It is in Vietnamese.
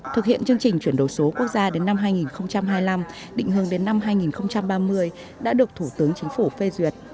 thực hiện chương trình chuyển đổi số quốc gia đến năm hai nghìn hai mươi năm định hướng đến năm hai nghìn ba mươi đã được thủ tướng chính phủ phê duyệt